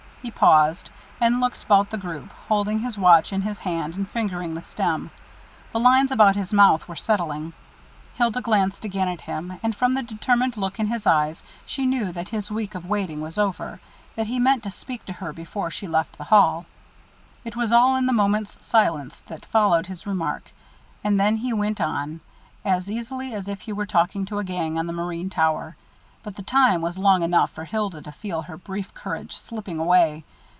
He paused, and looked about the group, holding his watch in his hand and fingering the stem. The lines about his mouth were settling. Hilda glanced again at him, and from the determined look in his eyes, she knew that his week of waiting was over; that he meant to speak to her before she left the hall. It was all in the moment's silence that followed his remark; then he went on, as easily as if he were talking to a gang on the marine tower but the time was long enough for Hilda to feel her brief courage slipping away.